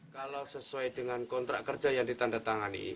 kalau sesuai dengan kontrak kerja yang ditandatangani